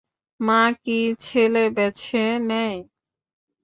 মা কি ছেলে বেছে নেয়?